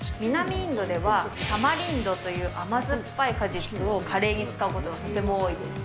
インドでは、タマリンドという甘酸っぱい果実をカレーに使うことがとっても多いです。